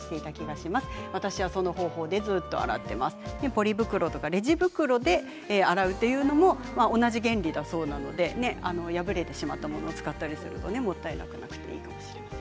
ポリ袋とかレジ袋で洗うというのも同じ原理だそうなので破れてしまったものを使ったりするともったいなくなくていいと思います。